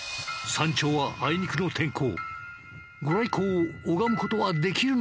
山頂はあいにくの天候。